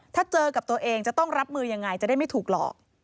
ถ้าเจอกับตัวเองจะต้องรับมือยังไงจะได้ไม่ถูกหลอก